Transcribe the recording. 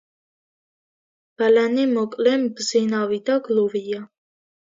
ბალანი მოკლე, მბზინავი და გლუვია.